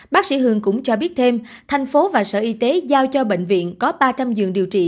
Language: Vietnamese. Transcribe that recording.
bác sĩ hương cũng cho biết thêm thành phố và sở y tế giao cho bệnh viện có ba trăm linh giường điều trị